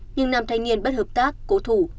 nhưng năm thanh niên bất hợp tác cố thủ